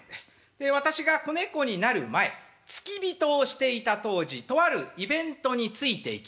で私が小猫になる前付き人をしていた当時とあるイベントについていきました。